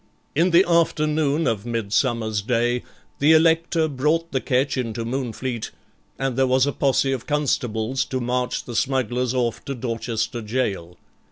In the afternoon of Midsummer's Day the Elector brought the ketch into Moonfleet, and there was a posse of constables to march the smugglers off to Dorchester Jail.